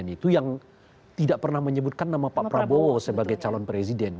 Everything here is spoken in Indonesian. itu muncul lah tagar ganti kursi